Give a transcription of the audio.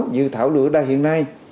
dự thảo lựa đa hiện nay